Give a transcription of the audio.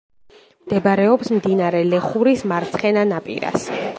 მდებარეობს მდინარე ლეხურის მარცხენა ნაპირას.